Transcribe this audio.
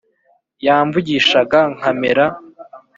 yamvugishaga nkamera